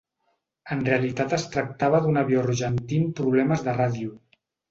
En realitat es tractava d'un avió argentí amb problemes de ràdio.